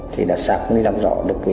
thì đã xác lý làm rõ được